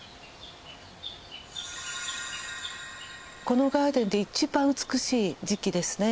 このガーデンで一番美しい時期ですね。